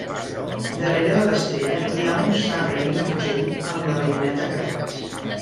Darrere de l'estrella hi ha un sabre i un fusell amb la baioneta creuats.